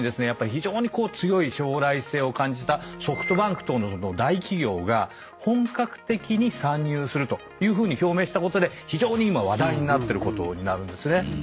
非常に強い将来性を感じたＳｏｆｔＢａｎｋ等の大企業が本格的に参入するというふうに表明したことで非常に今話題になってることになるんですね。